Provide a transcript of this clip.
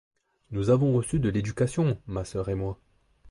Nous avons reçu de l'éducation, ma soeur et moi.